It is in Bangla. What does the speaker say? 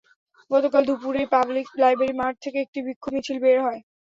গতকাল দুপুরে পাবলিক লাইব্রেরি মাঠ থেকে একটি বিক্ষোভ মিছিল বের হয়।